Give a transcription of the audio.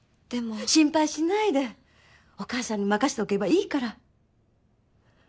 心配しないでお母さんに任せておけばいいから。